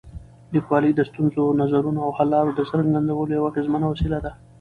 لیکوالی د ستونزو، نظرونو او حل لارو د څرګندولو یوه اغېزمنه وسیله ده.